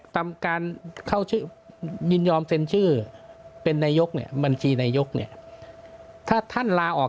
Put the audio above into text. ตามการเข้าชื่อยินยอมเซ็นชื่อเป็นนายกเนี่ยบัญชีนายกเนี่ยถ้าท่านลาออก